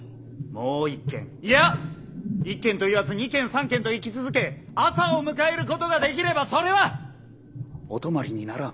もう１軒いや１軒と言わず２軒３軒と行き続け朝を迎えることができればそれはお泊まりにならん。